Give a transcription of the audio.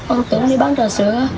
ông tướng đi bán trà sữa